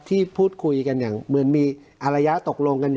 ที่พูดคุยกันอย่างเหมือนมีอารยะตกลงกัน